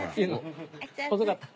遅かった。